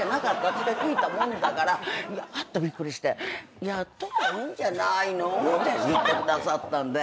私が聞いたもんだからびっくりして「やった方がいいんじゃないの」って言ってくださったんで。